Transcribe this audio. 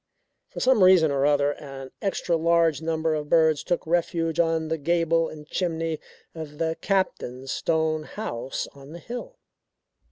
For some reason or other, an extra large number of birds took refuge on the gable and chimney of the Captain's stone house on the hill.